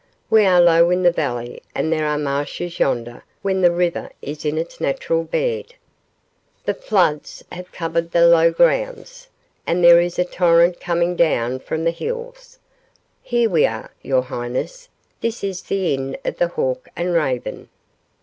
"We are low in the valley and there are marshes yonder when the river is in its natural bed. The floods have covered the low grounds, and there is a torrent coming down from the hills. Here we are, your highness. This is the Inn of the Hawk and Raven."